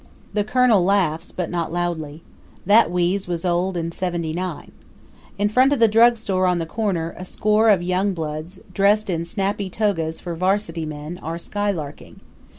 The Colonel laughs, but not loudly. That wheeze was old in 79. In front of the drug store on the corner a score of young bloods, dressed in snappy togas for Varsity men, are skylarking.